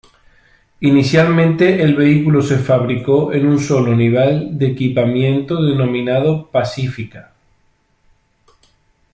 Inicialmente, el vehículo se fabricó en un solo nivel de equipamiento, denominado Pacifica.